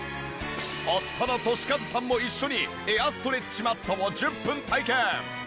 夫の俊和さんも一緒にエアストレッチマットを１０分体験。